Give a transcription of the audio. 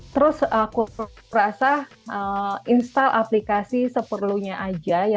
terus aku rasa install aplikasi seperlunya aja